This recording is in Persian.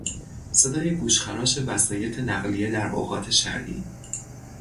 صدای گوشخراش وسایط نقلیه در اوقات شلوغی